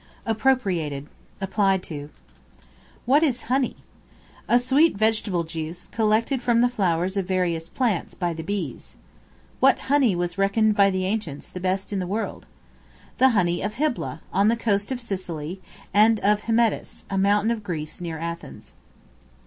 Appropriated, applied to. What is Honey? A sweet vegetable juice, collected from the flowers of various plants by the bees. What Honey was reckoned by the ancients the best in the world? The honey of Hybla, on the east coast of Sicily, and of Hymettus, a mountain of Greece, near Athens.